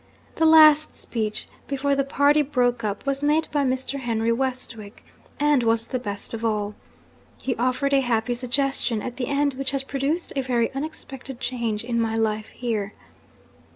The last speech, before the party broke up, was made by Mr. Henry Westwick, and was the best of all. He offered a happy suggestion, at the end, which has produced a very unexpected change in my life here.